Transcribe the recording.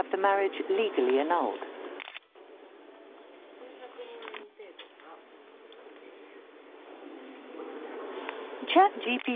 数百万円程度が相当とされています。